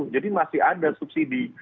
jadi masih ada subsidi